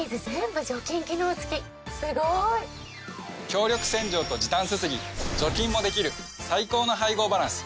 強力洗浄と時短すすぎ除菌もできる最高の配合バランス